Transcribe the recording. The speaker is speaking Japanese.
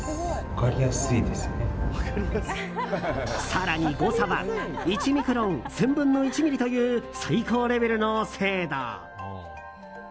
更に誤差は１ミクロン１０００分の１ｍｍという最高レベルの精度。